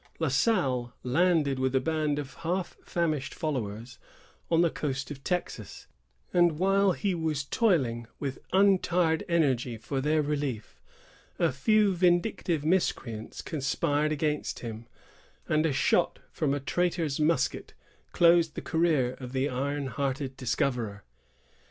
La Salle landed with a band of half famished followers on the coast of Texas; and, while he was toiling with untired energy for their relief, a few vindictive miscreants conspired against him, and a shot from a traitor's musket closed the career of the iron hearted discoverer.